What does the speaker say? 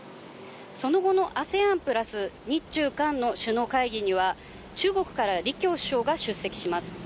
その後のＡＳＥＡＮプラス日中韓の首脳会議には中国からリ・キョウ首相が出席します。